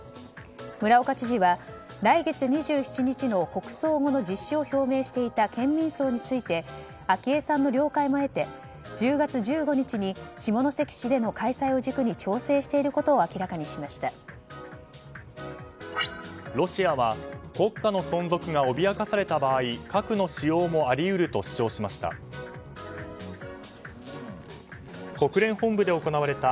村岡知事は来月２７日に国葬後の実施を表明していた県民葬について昭恵さんの了解も得て１０月１５日に下関市での開催を軸に調整していることをロシアは国家の存続が脅かされた場合核の使用もあり得ると主張しました。